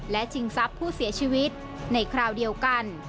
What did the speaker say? และชิงทรัพย์ผู้เสียชีวิตในคราวเดียวกัน